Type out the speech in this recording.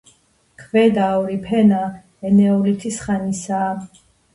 ქვედა ორი ფენა ენეოლითის ხანისაა.